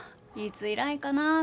いつ以来かな？